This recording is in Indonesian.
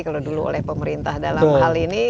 kalau dulu oleh pemerintah dalam hal ini